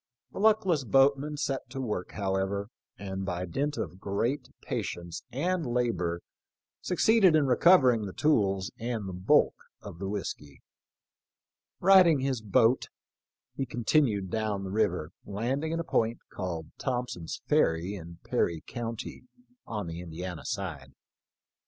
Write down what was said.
The luck less boatman set to work however, and by dint of great patience and labor succeeded in recovering the tools and the bulk of the whiskey. Righting his boat, he continued down the river, landing at a 20 THE LIFE OF LINCOLN. point called Thompson's Ferry, in Perry county, oA the Indiana side.